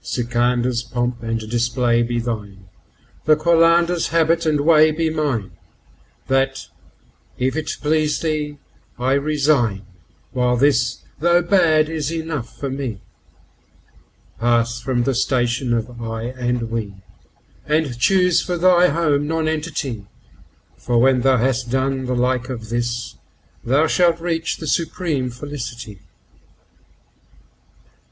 Sikandar's3 pomp and display be thine, the Qalandar's4 habit and way be mine; That, if it please thee, I resign, while this, though bad, is enough for me. Pass from the station of "I" and "We," and choose for thy home Nonentity, For when thou has done the like of this, thou shalt reach the supreme Felicity.